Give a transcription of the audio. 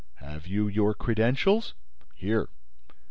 "Have you your credentials?" "Here."